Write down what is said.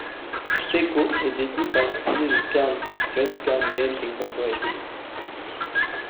Teeko est détenu par la société de Scarne, John Scarne Games Inc..